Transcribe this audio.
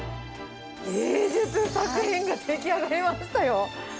芸術作品が出来上がりました